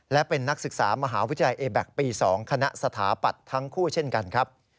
และเป็นนักศึกษามหาวิทยาลัยเอแบ็คปี๒คณะสถาปัตย์ทั้งคู่เช่นกันครับ